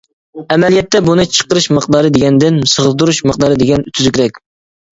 ئەمەلىيەتتە بۇنى چىقىرىش مىقدارى دېگەندىن، سىغدۇرۇش مىقدارى دېگەن تۈزۈكرەك.